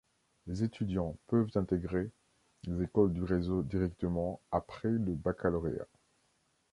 Les étudiants peuvent intégrer les écoles du réseau directement après le baccalauréat.